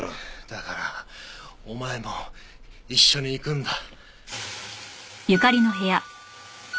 だからお前も一緒に行くんだ。